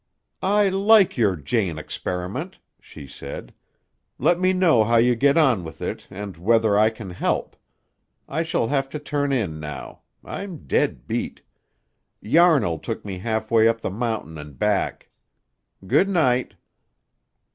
"I like your Jane experiment," she said. "Let me know how you get on with it and whether I can help. I shall have to turn in now. I'm dead beat. Yarnall took me halfway up the mountain and back. Good night."